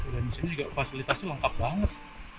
dan di sini agak fasilitasi lengkap banget